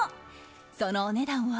そのお値段は？